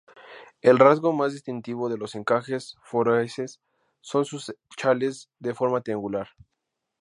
El rasgo más distintivo de los encajes feroeses son sus chales de forma triangular.